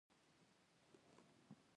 آیا د کوچیانیو ښځو کالي ډیر رنګین نه وي؟